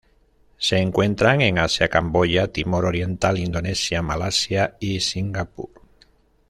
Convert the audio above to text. Se encuentran en Asia: Camboya, Timor Oriental, Indonesia, Malasia y Singapur.